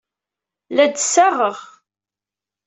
La d-ssaɣeɣ.